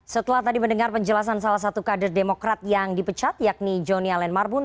setelah tadi mendengar penjelasan salah satu kader demokrat yang dipecat yakni joni allen marbun